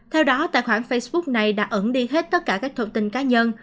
theo đó tài khoản facebook này đã ẩn đi hết tất cả các thông tin cá nhân